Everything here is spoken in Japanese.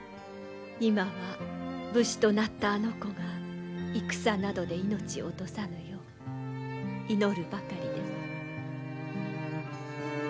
今は武士となったあの子が戦などで命を落とさぬよう祈るばかりです。